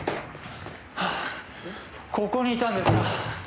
ここにいたんですか。